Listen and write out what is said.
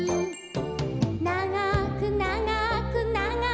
「ながくながくながく」